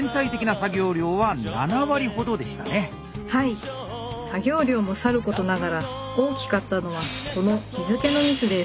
作業量もさることながら大きかったのはこの日付のミスです。